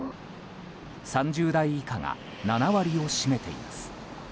３０代以下が７割を占めています。